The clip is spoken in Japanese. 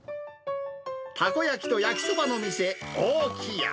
たこ焼きと焼きそばの店、おおきや。